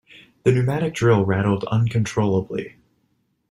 The pneumatic drill rattled uncontrollably.